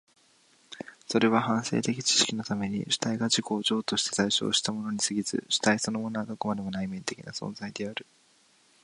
それは反省的知識のために主体が自己を譲渡して対象としたものに過ぎず、主体そのものはどこまでも内面的な存在である。